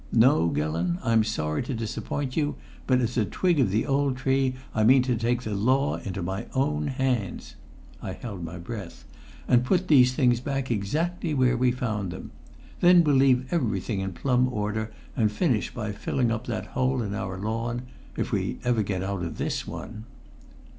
No, Gillon, I'm sorry to disappoint you, but as a twig of the old tree I mean to take the law into my own hands" I held my breath "and put these things back exactly where we found them. Then we'll leave everything in plumb order, and finish up by filling in that hole in our lawn if ever we get out of this one."